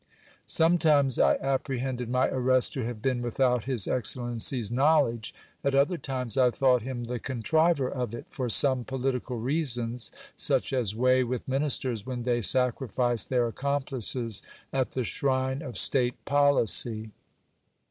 Sometimes I apprehended my arrest to have been without his excellency's knowledge ; at other times I thought him the contriver of it, for some political reasons, such as weigh with ministers when they sacrifice their accomplices at the shrine of state policy.